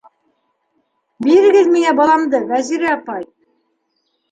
Бирегеҙ миңә баламды, Вәзирә апай!